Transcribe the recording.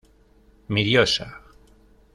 Mi diosa.